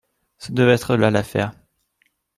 Ce devait être là l'affaire.